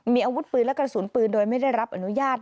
มีอาวุธปืนและกระสุนปืนโดยไม่ได้รับอนุญาต